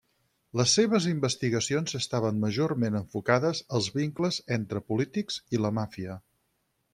Les seves investigacions estaven majorment enfocades als vincles entre polítics i la Màfia.